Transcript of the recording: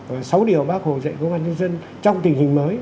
và sáu điều bác hồ dạy công an nhân dân trong tình hình mới